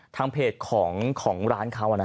ทางเพจของร้านเขาอ่ะนะฮะ